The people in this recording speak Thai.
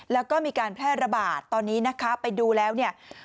แล้วก็มีการแพร่ระบาดตอนนี้นะคะไปดูแล้วเนี่ย